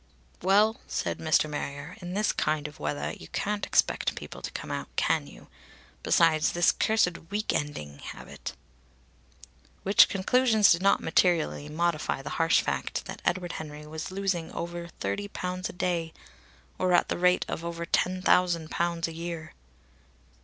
"Well," said Mr. Marrier. "In this kind of weathah you can't expect people to come out, can you? Besides, this cursed week ending habit " Which conclusions did not materially modify the harsh fact that Edward Henry was losing over thirty pounds a day or at the rate of over ten thousand pounds a year.